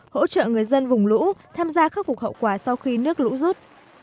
hỗ trợ người dân vùng lũ tham gia khắc phục hậu quả sau khi nước lũ rút